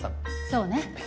そうね